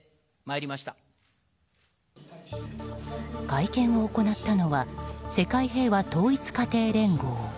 会見を行ったのは世界平和統一家庭連合。